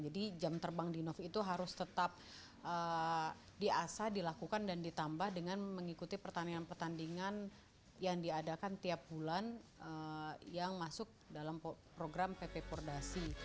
jadi jam terbang dinov itu harus tetap di asa dilakukan dan ditambah dengan mengikuti pertandingan pertandingan yang diadakan tiap bulan yang masuk dalam program pp pordasi